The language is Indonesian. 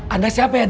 anda siapa ya d